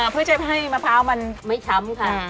เพื่อจะให้มะพร้าวมันไม่ช้ำค่ะ